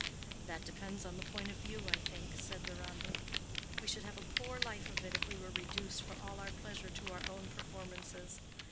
"That depends on the point of view, I think," said Deronda. "We should have a poor life of it if we were reduced for all our pleasure to our own performances.